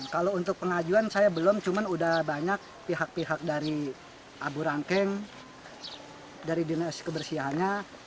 kalau untuk pengajuan saya belum cuma udah banyak pihak pihak dari abu rangkeng dari dinas kebersihannya